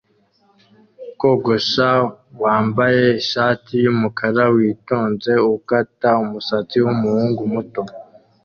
Kogosha wambaye ishati yumukara witonze ukata umusatsi wumuhungu muto